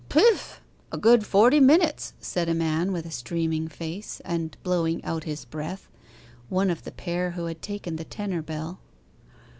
'Piph h h h! A good forty minutes,' said a man with a streaming face, and blowing out his breath one of the pair who had taken the tenor bell.